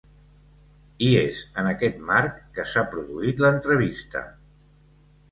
I és en aquest marc que s’ha produït l’entrevista.